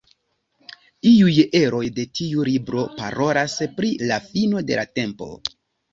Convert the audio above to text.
Iuj eroj de tiu libro parolas pri la fino de la tempo.